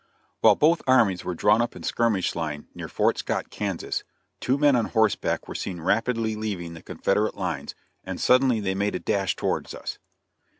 While both armies were drawn up in skirmish line near Fort Scott, Kansas, two men on horseback were seen rapidly leaving the Confederate lines, and suddenly they made a dash towards us.